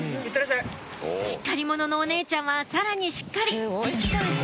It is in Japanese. しっかり者のお姉ちゃんはさらにしっかり！